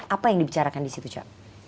apa yang dibicarakan di situ cak